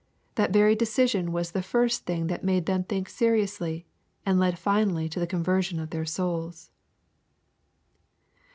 That very decision was the first thing that made them think seriously, and led finallv to the conversion of their souls.